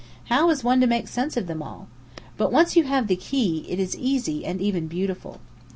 How is one to make sense of them all? But once you have the key, it is easy and even beautiful.